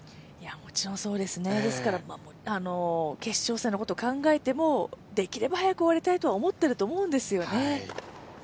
もちろんそうですね、ですから、決勝戦のことを考えても、できれば早く終わりたいと思っているとは思うんですよね。